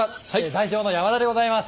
代表の山田でございます。